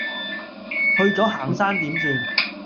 去咗行山點算？